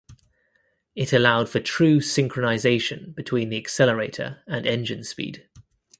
It allowed for true synchronization between the accelerator and engine speed.